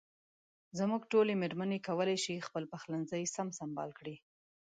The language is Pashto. زموږ ټولې مېرمنې کولای شي خپل پخلنځي سم سنبال کړي.